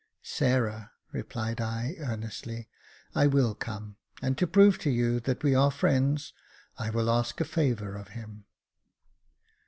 "Sarah," replied I, earnestly, "I will come; and to prove to you that we are friends, I will ask a favour of him."